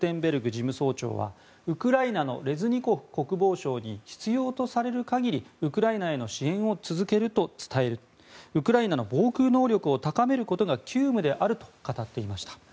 事務総長はウクライナのレズニコフ国防相に必要とされる限りウクライナへの支援を続けると伝えるウクライナの防空能力を高めることが急務であると語っていました。